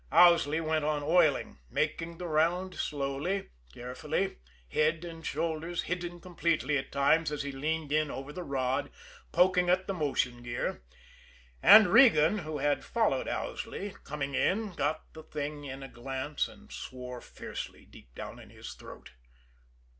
Owsley went on oiling making the round slowly, carefully, head and shoulders hidden completely at times as he leaned in over the rod, poking at the motion gear. And Regan, who had followed Owsley, coming in, got the thing in a glance and swore fiercely deep down in his throat.